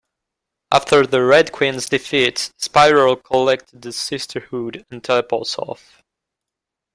After the Red Queen's defeat, Spiral collects the Sisterhood and teleports off.